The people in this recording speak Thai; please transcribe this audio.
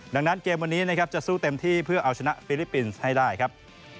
ดังนั้นเกมวันนี้นะครับจะสู้เต็มที่เพื่อเอาชนะฟิลิปปินส์ให้ได้ครับ